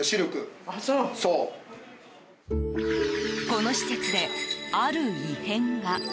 この施設で、ある異変が。